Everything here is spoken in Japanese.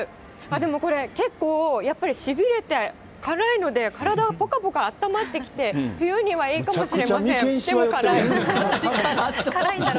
でもこれ、結構、やっぱりしびれて、辛いので、体がぽかぽがあったまってきて、冬にはいいかもしれません。